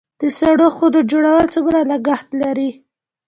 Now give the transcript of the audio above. د سړو خونو جوړول څومره لګښت لري؟